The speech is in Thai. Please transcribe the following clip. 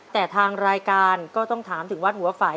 แต่ทางรายการก็ต้องถามถึงวัดหัวไฝ